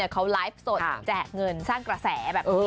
เขาไลฟ์สดแจกเงินสร้างกระแสแบบนี้